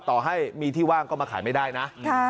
ต่อให้มีที่ว่างก็มาขายไม่ได้นะ